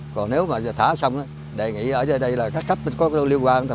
còn nếu mà thả xong đề nghị ở đây là các cấp mình có liên quan thôi